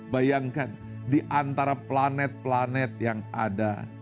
bayangkan diantara planet planet yang ada